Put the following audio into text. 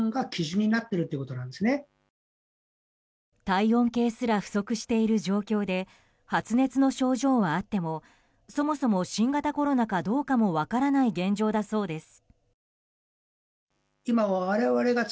体温計すら不足している状況で発熱の症状はあってもそもそも新型コロナかどうかも分からない現状だそうです。